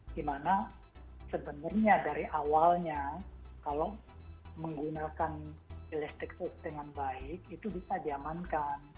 di mana sebenarnya dari awalnya kalau menggunakan elasticsearch dengan baik itu bisa diamankan